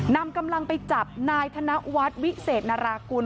นำกำลังไปจับนายธนวัฒน์วิเศษนารากุล